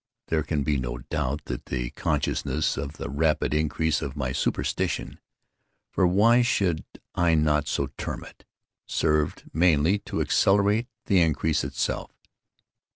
There can be no doubt that the consciousness of the rapid increase of my superstition—for why should I not so term it?—served mainly to accelerate the increase itself.